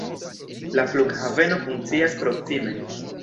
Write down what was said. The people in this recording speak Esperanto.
La flughaveno funkcias proksime.